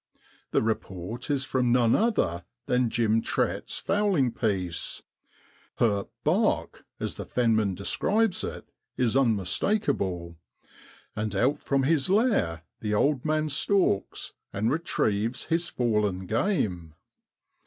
The report is from none other than Jim Trett's fowling piece ; her * bark,' as the fenman describes it, is unmistakable, and out from his lair the old man stalks, and retrieves his fallen game.